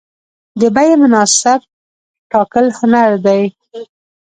د بیې مناسب ټاکل هنر دی.